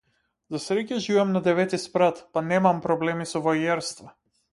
За среќа, живеам на деветти спрат, па немам проблеми со воајерство.